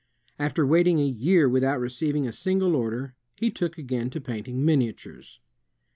After waiting a year without receiving a single order, he took again to painting miniatures.